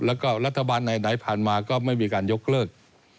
แล้วก็รัฐบาลไหนผ่านมาก็ไม่มีการยกเลิก